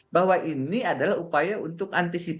bahwa ini adalah upaya untuk antisipasi